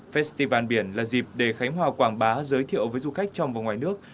festival biển là dịp để khánh hòa quảng bá giới thiệu với du khách trong và ngoài nước